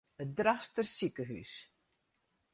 It Drachtster sikehús.